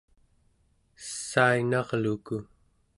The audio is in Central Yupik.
sainarluku!